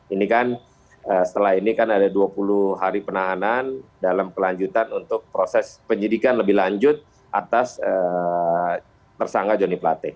ini kan setelah ini kan ada dua puluh hari penahanan dalam kelanjutan untuk proses penyidikan lebih lanjut atas tersangka joni plate